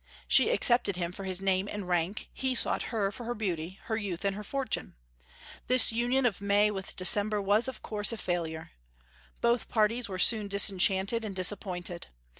She accepted him for his name and rank; he sought her for her beauty, her youth, and her fortune. This union of May with December was of course a failure. Both parties were soon disenchanted and disappointed.